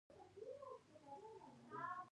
هغوی په روښانه کتاب کې پر بل باندې ژمن شول.